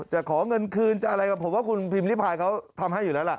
จะขอเงินคืนจะอะไรกับผมว่าคุณพิมพิพายเขาทำให้อยู่แล้วล่ะ